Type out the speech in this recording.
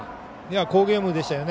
好ゲームでしたね。